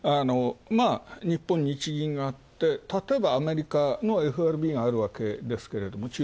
まあ日本、日銀があってたとえばアメリカのＦＲＢがあるわけですけれども。